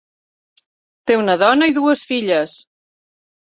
Té una dona i dues filles.